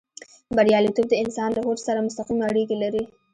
برياليتوب د انسان له هوډ سره مستقيمې اړيکې لري.